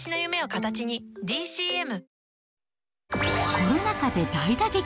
コロナ禍で大打撃！